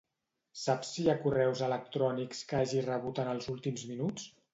Saps si hi ha correus electrònics que hagi rebut en els últims minuts?